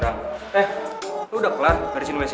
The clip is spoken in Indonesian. hei lu udah kelar garisin wc nya